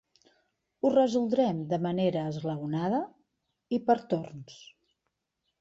Ho resoldrem de manera esglaonada i per torns.